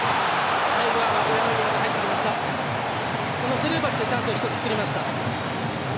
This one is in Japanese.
スルーパスでチャンスを１つ作りました。